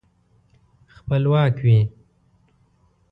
خپلواک وي.